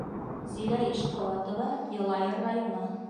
Зилә ИШҠЫУАТОВА, Йылайыр районы: